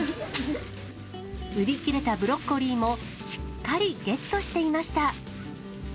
売り切れたブロッコリーも、しっかりゲットしていました。